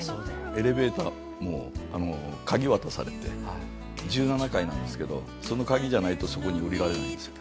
エレベーターも鍵渡されて１７階なんですけどその鍵じゃないとそこに降りられないんですよ。